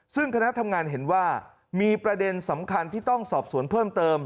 ซึ่งคณะทำงานเห็นว่ามีประเด็นสำคัญที่ต้องสอบสวนเพิ่มเติม